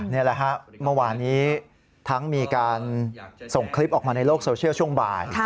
นี่แหละฮะเมื่อวานนี้ทั้งมีการส่งคลิปออกมาในโลกโซเชียลช่วงบ่าย